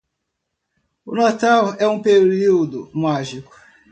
O natal é um período mágico